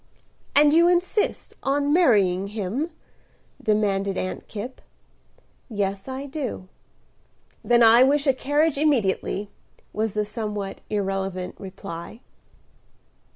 "And you insist on marrying him?" demanded Aunt Kipp. "Yes, I do." "Then I wish a carriage immediately," was the somewhat irrelevant reply.